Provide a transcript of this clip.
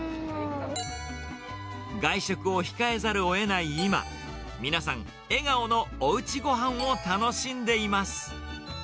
外食を控えざるをえない今、皆さん、笑顔のおうちごはんを楽しんでいます。